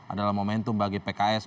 adalah momentum bagi pks